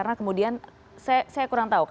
tidak bisa diawasi dengan tepat oleh para petugas ya